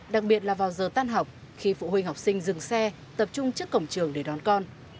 đặc biệt là vào giờ tan học khi phụ huynh học sinh dừng xe tập trung trước cổng trường để đón con